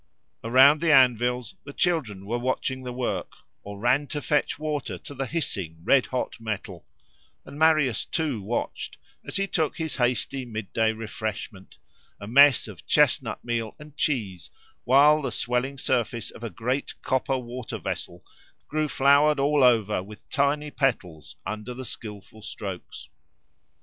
Around the anvils the children were watching the work, or ran to fetch water to the hissing, red hot metal; and Marius too watched, as he took his hasty mid day refreshment, a mess of chestnut meal and cheese, while the swelling surface of a great copper water vessel grew flowered all over with tiny petals under the skilful strokes.